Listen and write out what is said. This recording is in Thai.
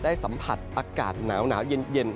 สัมผัสอากาศหนาวเย็น